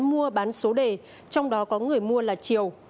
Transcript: mua bán số đề trong đó có người mua là chiều